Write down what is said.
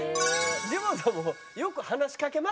ジモンさんもよく話しかけますね。